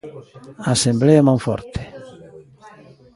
Asemblea Monforte.